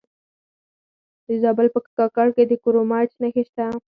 د زابل په کاکړ کې د کرومایټ نښې شته.